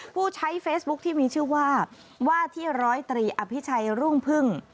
ผู้ใช้เฟซบุ๊คที่มีชื่อว่าว่าที่ร้อยตรีอภิชัยรุ่งพึ่ง